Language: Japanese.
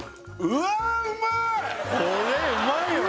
うわうまい！